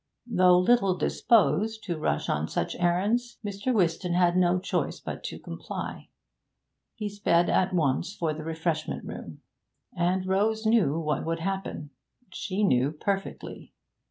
Though little disposed to rush on such errands, Mr. Whiston had no choice but to comply; he sped at once for the refreshment room. And Rose knew what would happen; she knew perfectly.